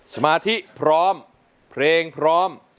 สมาธิพร้อมเพลงพร้อม